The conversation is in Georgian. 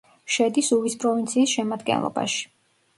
შედის უვის პროვინციის შემადგენლობაში.